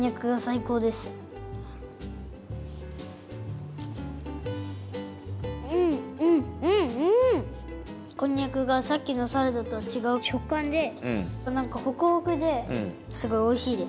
こんにゃくがさっきのサラダとはちがうしょっかんでなんかホクホクですごいおいしいです。